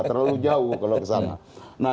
terlalu jauh kalau ke sana nah